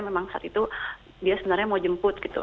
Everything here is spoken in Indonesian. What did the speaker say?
memang saat itu dia sebenarnya mau jemput gitu